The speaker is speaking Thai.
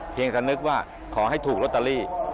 เพียงจะนึกว่าขอให้ถูกโรตตาลี